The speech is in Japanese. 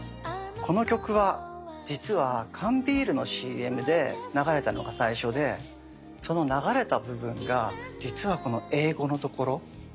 この曲は実は缶ビールのＣＭで流れたのが最初でその流れた部分が実はこの英語のところ。